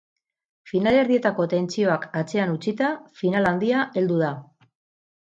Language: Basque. Finalerdietako tentsioak atzean utzita, final handia heldu da.